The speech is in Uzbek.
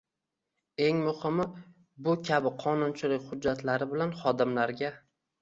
Eng muhimi, bu kabi qonunchilik hujjatlari bilan xodimlarga